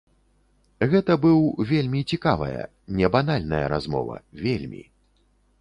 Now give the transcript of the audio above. Гэта быў вельмі цікавая, небанальная размова, вельмі.